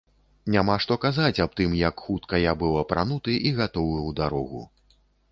Няма што казаць аб тым, як хутка я быў апрануты і гатовы ў дарогу.